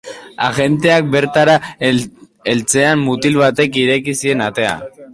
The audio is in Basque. Agenteak bertara heltzean, mutil batek ireki zien atea.